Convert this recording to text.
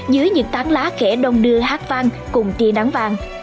dưới những tán lá khẽ đông đưa hát vang cùng tia nắng vàng